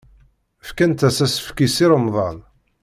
Fkant-as asefk i Si Remḍan.